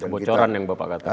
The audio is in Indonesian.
bocoran yang bapak katakan